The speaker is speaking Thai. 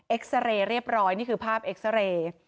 ซาเรย์เรียบร้อยนี่คือภาพเอ็กซาเรย์